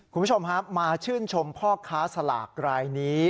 คุณผู้ชมครับมาชื่นชมพ่อค้าสลากรายนี้